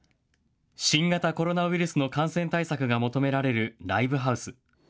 新型コロナウイルスの感染対策が求められるライブハウス。